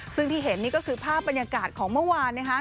ซึ่งที่เห็นนี่ก็คือภาพบรรยากาศของเมื่อวาน